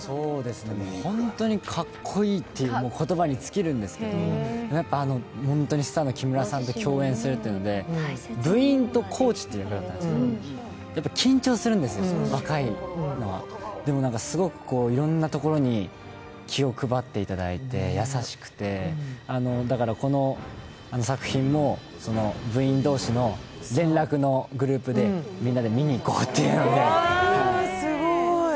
ホントにかっこいいという言葉に尽きるんですけれどもスターの木村さんと共演するっていうんで、部員とコーチっていうことでやっぱ緊張するんですよ、若いのはでも、なんかすごくいろんなところに気を配っていただいて、優しくて、この作品も部員同士の連絡のグループで、みんなで見に行こうって言ってます。